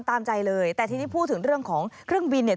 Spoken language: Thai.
ตามใจเลยแต่ทีนี้พูดถึงเรื่องของเครื่องบินเนี่ย